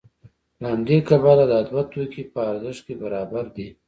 له همدې کبله دا دوه توکي په ارزښت کې برابر دي